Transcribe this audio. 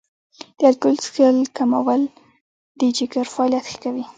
د الکول څښل کمول د جګر فعالیت ښه کوي.